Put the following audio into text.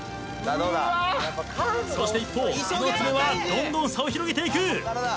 そして一方猪爪はどんどん差を広げていく。